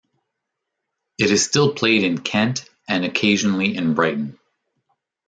It is still played in Kent, and occasionally in Brighton.